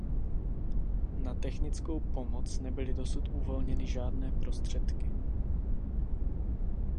Na technickou pomoc nebyly dosud uvolněny žádné prostředky.